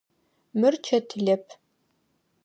Мыр чэтылэп.